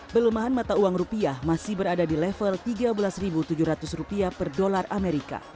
pelemahan mata uang rupiah masih berada di level tiga belas tujuh ratus per dolar amerika